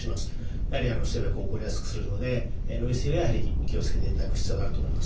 やはり不整脈を起こりやすくするので飲み過ぎはやはり気をつけていただく必要があると思います。